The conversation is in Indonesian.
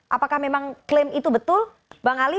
apakah memang klaim itu betul bang ali